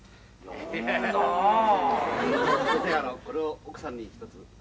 これを奥さんにひとつ。